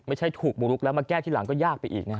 ไม่ใช่ถูกบุกลุกแล้วมาแก้ที่หลังก็ยากไปอีกนะฮะ